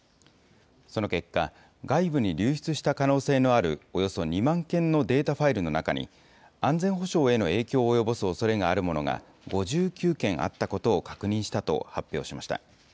その結果、外部に流出した可能性のあるおよそ２万件のデータファイルの中に、安全保障への影響を及ぼすおそれがあるものが５９件あったことを確認したと発表しました。